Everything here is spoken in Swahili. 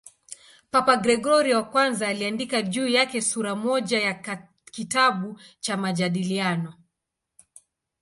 Papa Gregori I aliandika juu yake sura moja ya kitabu cha "Majadiliano".